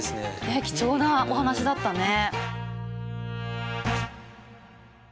ねっ貴重なお話だったね。